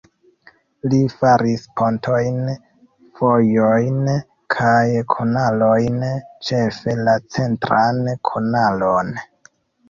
Li faris pontojn, vojojn kaj kanalojn, ĉefe la centran kanalon.